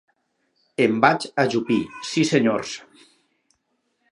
Em vaig ajupir, sí senyors